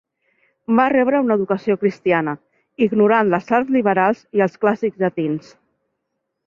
Va rebre una educació cristiana, ignorant les arts liberals i els clàssics llatins.